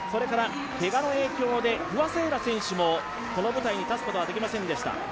けがの影響で不破聖衣来選手もこの舞台に立つことができませんでした。